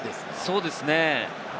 そうですね。